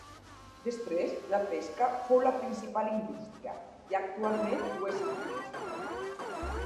Després la pesca fou la principal indústria i actualment ho és el turisme.